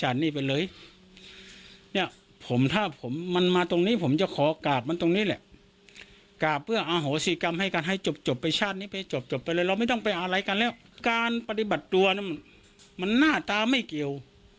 เราไม่ต้องไปอารายการการปฏิบัติตัวน่าจะไม่เกี่ยว